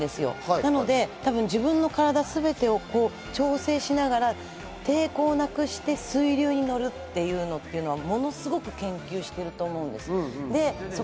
なので自分の体すべてをこう調整しながら抵抗をなくして水流に乗るっていうのは、ものすごく研究してると思うんです。